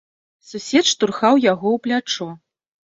Сусед штурхаў яго ў плячо.